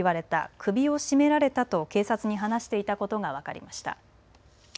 首を絞められたと警察に話していたことが分かりました。